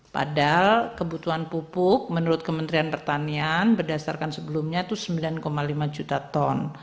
padahal kebutuhan pupuk menurut kementerian pertanian berdasarkan sebelumnya itu sembilan lima juta ton